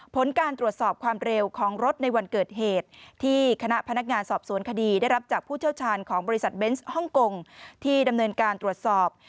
ผลการตรวจสอบความเร็วของรถในวันเกิดเหตุที่คณะพนักงานสอบสวนคดีได้รับจากผู้เชี่ยวชาญของบริษัทเบนส์ฮ่องกงที่ดำเนินการตรวจสอบ